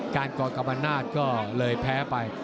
การกอบกำลับนาศก็เลยแพ้ไป